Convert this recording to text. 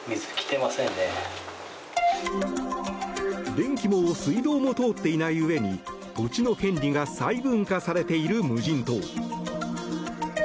電気も水道も通っていないうえに土地の権利が細分化されている無人島。